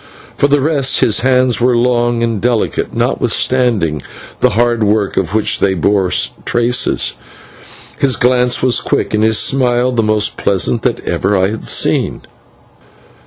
For the rest, his hands were long and delicate, notwithstanding the hard work of which they bore traces; his glance was quick, and his smile the most pleasant that ever I had seen.